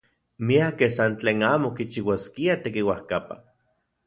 Miakej san tlen amo kichiuaskiaj tekiuajkapa.